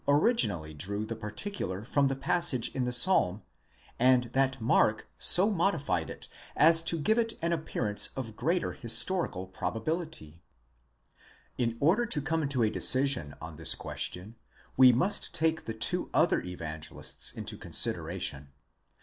originally drew the particular from the passage in the Psalm, and that Mark so modified it as to give it an appearance of greater historical probability ? In order to come to a decision on this question we must take the two other Evangelists into consideration.